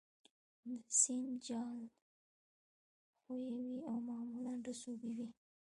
د سیند جغل ښوی وي او معمولاً رسوبي وي